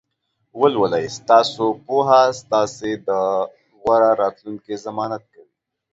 ولولئ! ستاسې پوهه ستاسې د غوره راتلونکي ضمانت کوي.